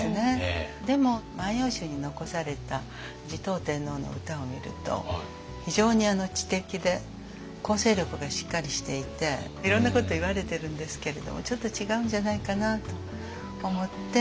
でも「万葉集」に残された持統天皇の歌を見ると非常に知的で構成力がしっかりしていていろんなこと言われてるんですけれどもちょっと違うんじゃないかなと思って。